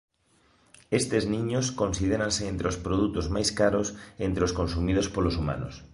Estes niños considéranse entre os produtos máis caros entre os consumidos polos humanos.